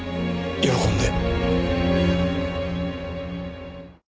喜んで。